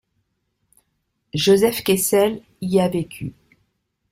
Joseph Kessel y a vécu.